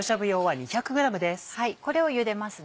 これをゆでます。